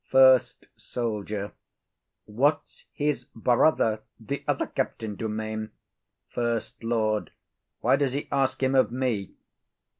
FIRST SOLDIER. What's his brother, the other Captain Dumaine? SECOND LORD. Why does he ask him of me?